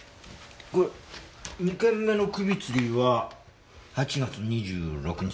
２件目の首つりは８月２６日。